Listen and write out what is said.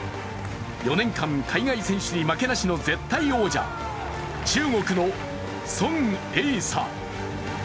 ４年間海外選手に負けなしの絶対王者中国の孫穎莎。